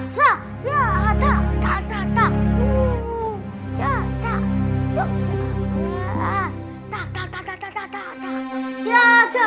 satu satunya yang aku punya